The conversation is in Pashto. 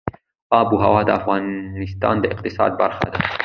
آب وهوا د افغانستان د اقتصاد برخه ده.